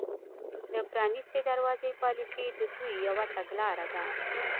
د پرانیستې دروازې پالیسي د دوی یوه تګلاره ده